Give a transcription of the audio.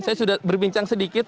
saya sudah berbincang sedikit